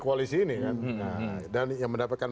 koalisi ini kan dan yang mendapatkan